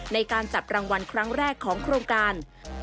ในการจับรางวัลครั้งแรกของโครงการ